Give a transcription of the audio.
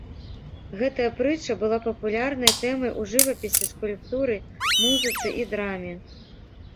Гэтая прытча была папулярнай тэмай у жывапісе, скульптуры, музыцы і драме.